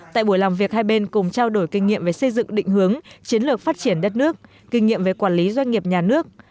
tại buổi làm việc hai bên cùng trao đổi kinh nghiệm về xây dựng định hướng chiến lược phát triển đất nước kinh nghiệm về quản lý doanh nghiệp nhà nước